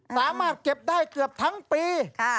สามารถเก็บได้เกือบทั้งปี